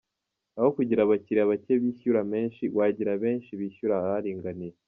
Aho kugira abakiriya bake bishyura menshi, wagira benshi bishyura aringaniye.